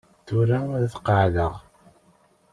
Tura ad t-qeɛɛdeɣ.